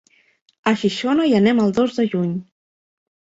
A Xixona hi anem el dos de juny.